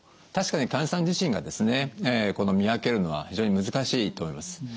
確かに患者さん自身がですね見分けるのは非常に難しいと思います。